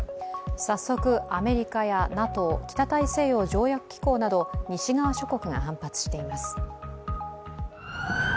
早速アメリカやＮＡＴＯ＝北大西洋条約機構など西側諸国が反発しています。